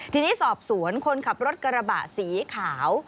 ทีนี้สอบสวนคนขับรถกระบะสีขาว